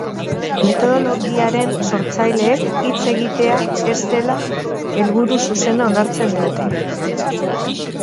Metodologiaren sortzaileek hitz egitea ez dela helburu zuzena onartzen dute.